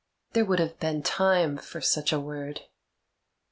"There would have been time for such a word.